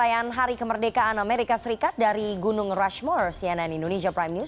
ini berlangganan tadi dari gunung rushmore cnn indonesia prime news